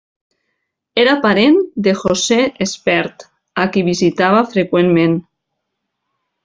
Era parent de José Espert, a qui visitava freqüentment.